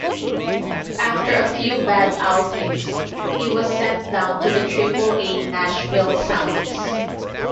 After a few bad outings he was sent down to the Triple-A Nashville Sounds.